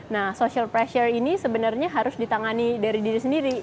nah social pressure ini sebenarnya harus ditangani dari diri sendiri